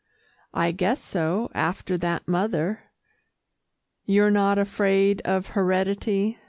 "I guess so after that mother." "You're not afraid of heredity?"